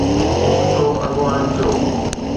سٺو اڳواڻ ٿيو.